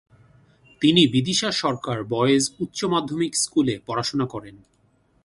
তিনি বিদিশা সরকার বয়েজ উচ্চ মাধ্যমিক স্কুলে পড়াশোনা করেন।।